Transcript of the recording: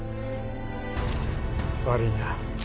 悪いな。